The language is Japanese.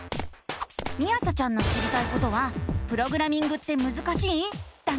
みあさちゃんの知りたいことは「プログラミングってむずかしい⁉」だね！